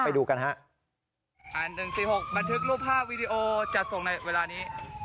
ไปดูกันฮะอ่าน๑๔๖บันทึกรูปภาพวีดีโอจัดส่งในเวลานี้